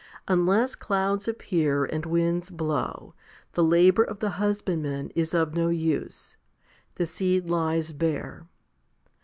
Unless clouds appear and winds blow, the labour of the husband man is of no use. The seed lies bare.